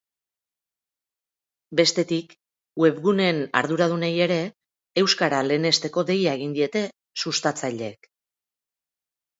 Bestetik, webguneen arduradunei ere, euskara lehenesteko deia egin diete sustatzaileek.